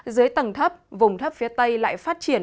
dưới tầng thấp vùng thấp phía tây lại phát triển và mở rộng